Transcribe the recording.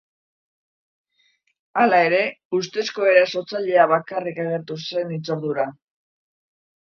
Hala ere, ustezko erasotzailea bakarrik agertu zen hitzordura.